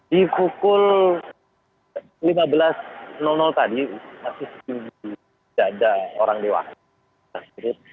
di pukul lima belas tadi masih tidak ada orang diwakil